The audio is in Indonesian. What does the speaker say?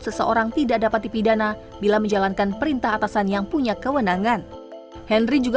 seseorang tidak dapat dipidana bila menjalankan perintah atasan yang punya kewenangan henry juga